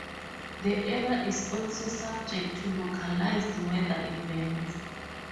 The area is also subject to localized weather events.